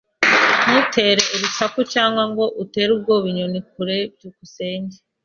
Ntutere urusaku cyangwa ngo utere ubwoba inyoni kure. byukusenge